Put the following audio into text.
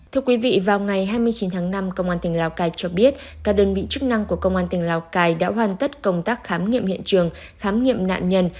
thưa quý vị vào ngày hai mươi chín tháng năm công an tỉnh lào cai cho biết các đơn vị chức năng của công an tỉnh lào cai đã hoàn tất công tác khám nghiệm hiện trường khám nghiệm nạn nhân